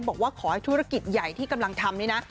บอกว่าขอให้ธุรกิจใหญ่ที่กำลังทำนี่นะ